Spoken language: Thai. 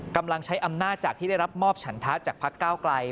กำลังใช้อำนาจจากที่ได้รับมอบฉันทะจากพักก้าวไกล